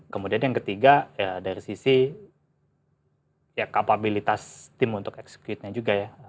kemudian yang ketiga ya dari sisi ya kapabilitas tim untuk execute nya juga ya